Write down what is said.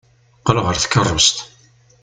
Qqel ɣer tkeṛṛust.